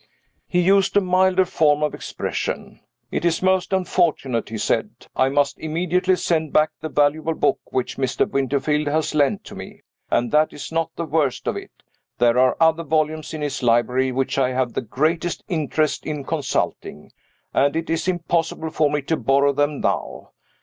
He used a milder form of expression. "It is most unfortunate," he said. "I must immediately send back the valuable book which Mr. Winterfield has lent to me. And that is not the worst of it. There are other volumes in his library which I have the greatest interest in consulting and it is impossible for me to borrow them now.